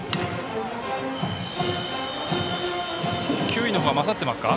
球威のほうは勝っていますか。